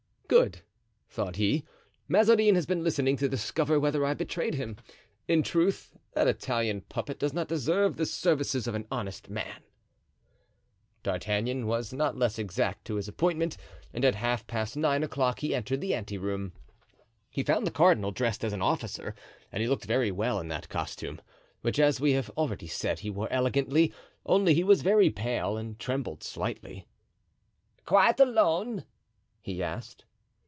"Good," thought he; "Mazarin has been listening to discover whether I betrayed him. In truth, that Italian puppet does not deserve the services of an honest man." D'Artagnan was not less exact to his appointment and at half past nine o'clock he entered the ante room. He found the cardinal dressed as an officer, and he looked very well in that costume, which, as we have already said, he wore elegantly; only he was very pale and trembled slightly. "Quite alone?" he asked.